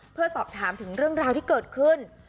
เพื่อสอบถามถึงเรื่องราวที่เกิดขึ้น